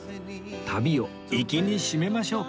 旅を粋に締めましょうか！